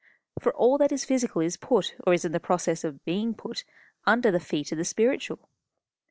For all that is physical is put, or is in the process of being put, under the feet of the spiritual.